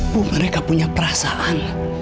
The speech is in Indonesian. bu mereka punya perasaan